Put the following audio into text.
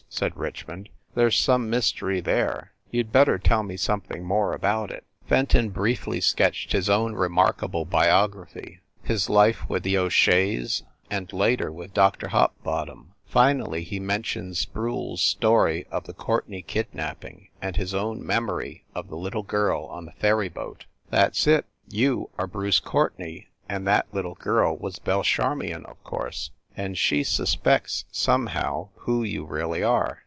said Richmond. "There s some mystery there. You d better tell me something more about it." Fenton briefly sketched his own remarkable biog raphy his life with the O Sheas, and later with Dr. Hopbottom. Finally he mentioned Sproule s story of the Courtenay kidnapping and his own memory of the little girl on the ferry boat. "That s it! You are Bruce Courtenay, and that little girl was Belle Charmion, of course and she suspects, somehow, who you really are!